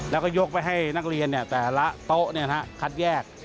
แล้วก็ยกไปให้นักเรียนแต่ละโต๊ะคัดแยก